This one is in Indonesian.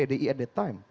bersama pdi at that time